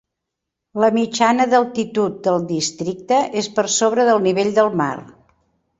La mitjana d'altitud del districte és per sobre del nivell del mar.